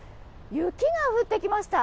雪が降ってきました。